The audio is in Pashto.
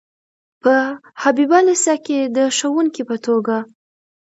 په حبیبیه لیسه کې د ښوونکي په توګه.